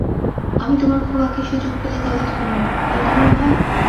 আমি তোমার খোকাকে সুযোগ পেলে গলা টিপে মারব, এই তোমার ভয়?